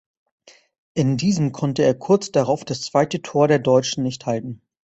In diesem konnte er kurz darauf das zweite Tor der Deutschen nicht halten.